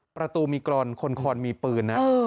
ประตูมีกรอนคนคอนมีปืนนะ